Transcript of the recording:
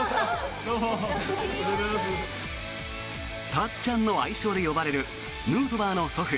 たっちゃんの愛称で呼ばれるヌートバーの祖父